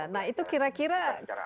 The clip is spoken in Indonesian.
nah itu kira kira